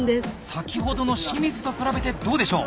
先ほどの清水と比べてどうでしょう？